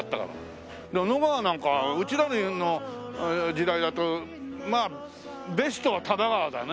野川なんかうちらの時代だとまあベストは多摩川だね。